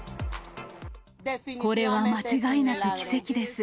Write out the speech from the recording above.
これは間違いなく奇跡です。